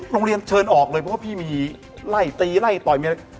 โรงเรียนเชิญออกเลยเพราะว่าพี่มีไล่ตีไล่ต่อยมีอะไร